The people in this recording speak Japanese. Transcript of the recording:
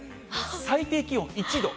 最低気温１度。